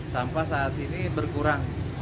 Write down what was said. sampah saat ini berkurang